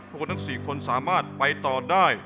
พวกคุณทั้งสี่คนสามารถไปต่อได้